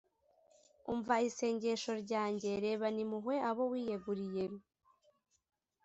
umva isengesho ryanjye, rebana impuhwe abo wiyeguriye,